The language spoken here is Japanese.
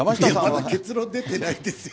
まだ、結論出てないですよね。